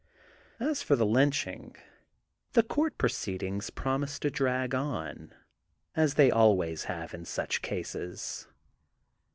As for the lynching, the court proceedings promise to drag on, as they always have in such cases.